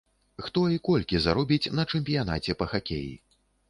Хто і колькі заробіць на чэмпіянаце па хакеі?